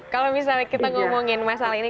kalau misalnya kita ngomongin masalah ini